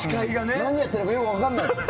何やっているかよく分からない。